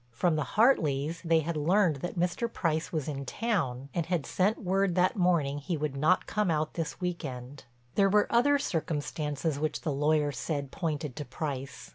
From the Hartleys they had learned that Mr. Price was in town, and had sent word that morning he would not come out this week end. There were other circumstances which the lawyer said pointed to Price.